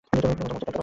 তোর যা মন চায় কর।